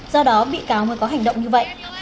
do đó bị cáo mới có hành động như vậy